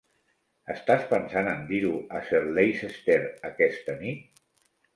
Estàs pensant en dir-ho a Sir Leicester aquesta nit?